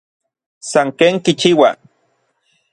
San ken kichiua.